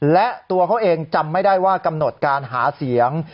และตัวเขาเองจำไม่ได้ว่ากำหนดการหาเสียง